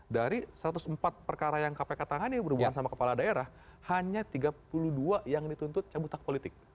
dari satu ratus empat perkara yang kpk tangani berhubungan sama kepala daerah hanya tiga puluh dua yang dituntut cabut hak politik